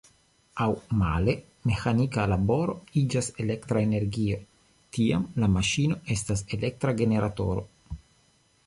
Aŭ male, meĥanika laboro iĝas elektra energio, tiam la maŝino estas elektra generatoro.